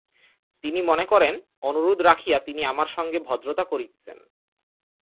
তিনি মনে করেন, অনুরোধ রাখিয়া তিনি আমার সঙ্গে ভদ্রতা করিতেছেন।